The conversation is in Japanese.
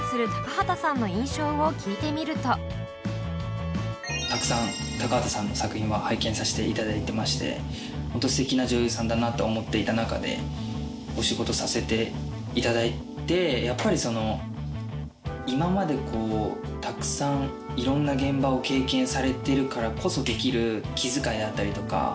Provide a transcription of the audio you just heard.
今回たくさん高畑さんの作品は拝見させていただいてまして。と思っていた中でお仕事させていただいてやっぱりその今までたくさんいろんな現場を経験されてるからこそできる気遣いだったりとか。